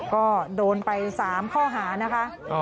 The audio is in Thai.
ก็โดนไป๓ข้อหานะคะ